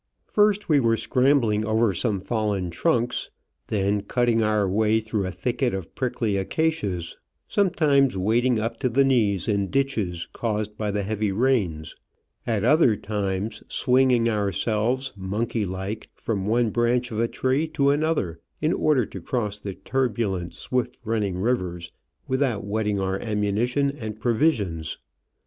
First we were scrambling over some fallen trunks, then cutting our way through a thicket of prickly acacias ; sometimes wading up to the knees in ditches caused by the heavy rains; at other times swinging ourselves, monkey like, from one branch of a tree to another, in order to cross the turbu lent, swift running rivers without wetting our ammuni tion and provisions.